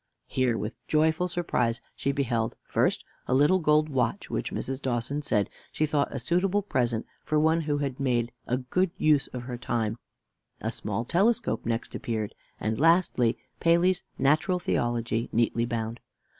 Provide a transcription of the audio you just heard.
Here, with joyful surprise, she beheld, first, a little gold watch, which Mrs. Dawson said she thought a suitable present for one who had made a good use of her time; a small telescope next appeared; and lastly, Paley's "Natural Theology," neatly bound.